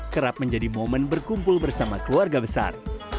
kerap menjadi momen berkumpul bersama keluarga besar